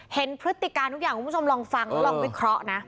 พฤติการทุกอย่างคุณผู้ชมลองฟังแล้วลองวิเคราะห์นะ